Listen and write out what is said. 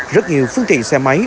rất nhiều phương tiện xe máy